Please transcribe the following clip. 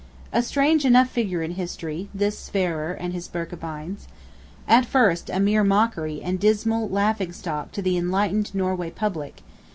A strange enough figure in History, this Sverrir and his Birkebeins! At first a mere mockery and dismal laughing stock to the enlightened Norway public.